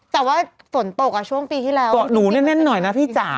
แต่ว่าฝนตกอ่ะช่วงปีที่แล้วเกาะหนูแน่นหน่อยนะพี่จ๋า